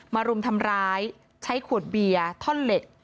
รุมทำร้ายใช้ขวดเบียร์ท่อนเหล็ก